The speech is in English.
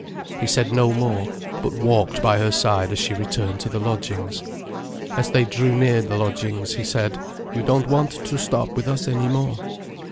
He said no more, but walked by her side as she returned to the lodgings. As they drew near the lodgings, he said: "You don't want to stop with us any more?"